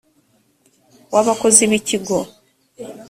w abakozi b ikigo